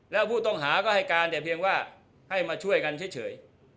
แล้วผู้ต้องหาก็ให้การแต่เพียงว่าให้มาช่วยกันเฉย